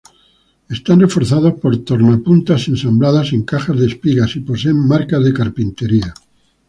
Están reforzados por tornapuntas ensambladas en cajas de espiga y poseen marcas de carpintería.